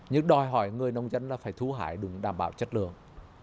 nhưng đòi hỏi người nông dân là phải thu hãi đủ đảm bảo chất lượng